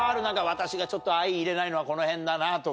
私がちょっと相いれないのはこの辺だなとか。